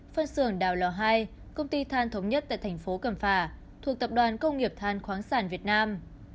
phân xưởng đào lò hai công ty than thống nhất tại thành phố cẩm phả thuộc tập đoàn công nghiệp than khoáng sản việt nam